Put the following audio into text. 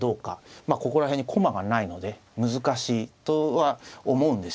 まあここら辺に駒がないので難しいとは思うんですよ。